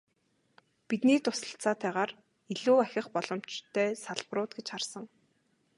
Бидний туслалцаатайгаар илүү ахих боломжтой салбарууд гэж харсан.